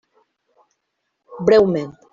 Breument.